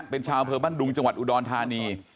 เป็นชาวบ้านดุงจังหวัดอุดรธานี